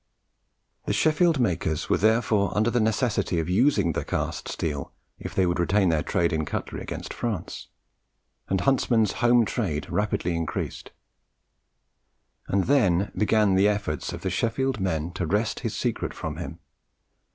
The Sheffield makers were therefore under the necessity of using the cast steel, if they would retain their trade in cutlery against France; and Huntsman's home trade rapidly increased. And then began the efforts of the Sheffield men to wrest his secret from him.